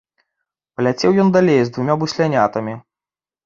Паляцеў ён далей з двума буслянятамі.